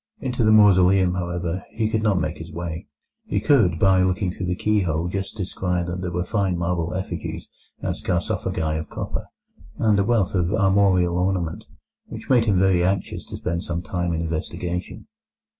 Into the mausoleum, however, he could not make his way. He could by looking through the keyhole just descry that there were fine marble effigies and sarcophagi of copper, and a wealth of armorial ornament, which made him very anxious to spend some time in investigation.